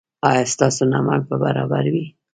ایا ستاسو نمک به برابر وي؟